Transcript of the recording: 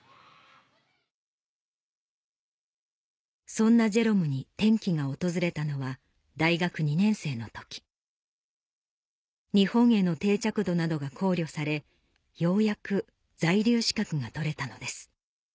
そんなジェロムに転機が訪れたのは大学２年生の時日本への定着度などが考慮されようやく在留資格が取れたのです